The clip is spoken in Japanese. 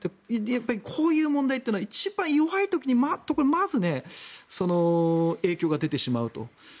やっぱりこういう問題というのは一番弱いところにまず影響が出てしまうと。